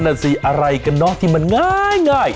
นั่นสิอะไรกันเนอะที่มันง่าย